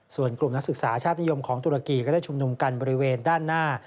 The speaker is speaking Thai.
ส่วนกลุ่มนักศึกษาชาตินิยมของตุรกีก็ได้ชุมนุมกันบริเวณด้านหน้า